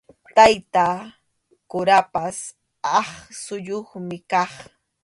Tayta kurapas aqsuyuqmi kaq.